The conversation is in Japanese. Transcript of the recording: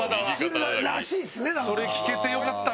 それ聞けてよかった！